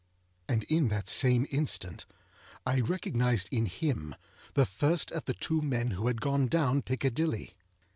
And in that same instant I recognised in him the first of the two men who had gone down Piccadilly.